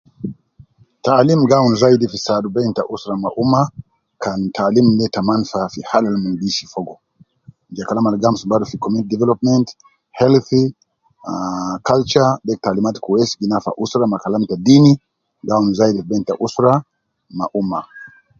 Taalim gi awun zaidi fi saadu bein ta usra ma umma kan taalim de ta manfa fi halu al fogo je Kalam al gi amsuku badu fi community development , healthy ah culture de taalimat kwesi gi nafa usra ma kalam ta deen gi awun zaidi fi bein ta usra ma umma